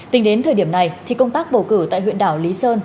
tính đến thời điểm này thì công tác bầu cử tại huyện đảo lý sơn